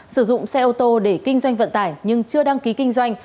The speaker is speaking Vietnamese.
sử dụng xe ô tô để kinh doanh vận tải nhưng chưa đăng ký kinh doanh